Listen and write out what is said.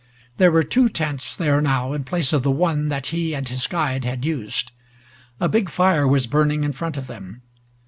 There were two tents there now in place of the one that he and his guide had used. A big fire was burning in front of them.